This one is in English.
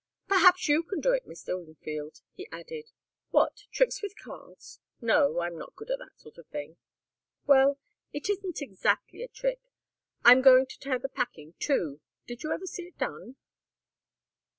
"Perhaps you can do it, Mr. Wingfield?" he added. "What? Tricks with cards? No I'm not good at that sort of thing." "Well it isn't exactly a trick. I'm going to tear the pack in two. Did you ever see it done?"